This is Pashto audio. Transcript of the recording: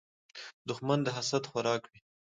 دښمن د حسد خوراک وي